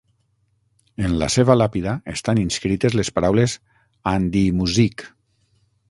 En la seva làpida estan inscrites les paraules "An die Musik".